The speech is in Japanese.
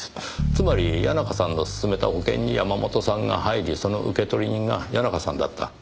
つまり谷中さんが勧めた保険に山本さんが入りその受取人が谷中さんだった。